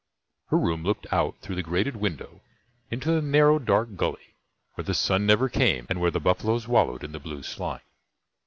Her room looked out through the grated window into the narrow dark Gully where the sun never came and where the buffaloes wallowed in the blue slime.